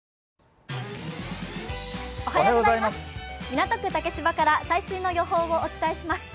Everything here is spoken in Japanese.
港区竹芝から最新の予報をお伝えします。